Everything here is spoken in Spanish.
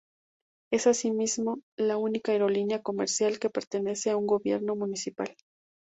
Es así mismo la única aerolínea comercial que pertenece a un gobierno municipal.